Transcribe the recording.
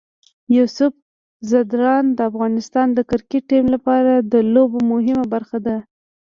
یوسف ځدراڼ د افغانستان د کرکټ ټیم لپاره د لوبو مهمه برخه ده.